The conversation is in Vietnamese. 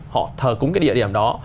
họ thờ cúng cái địa điểm đó